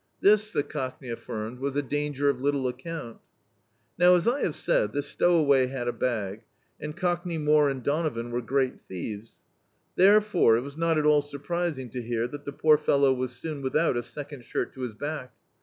This, the Cockney alBrmed, was a danger of little account Now, as I have said, this stowaway had a bag, and Cockney More and Donovan were great thieves. Therefore, it was not at all surprising to hear that the poor fellow was soon without a second shirt to his back.